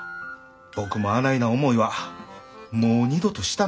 僕もあないな思いはもう二度としたない。